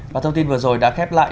và thông tin vừa rồi đã khép lại